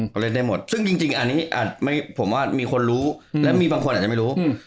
ก็เล่นได้หมดซึ่งจริงอันนี้ผมว่ามีคนรู้และมีบางคนอาจจะไม่รู้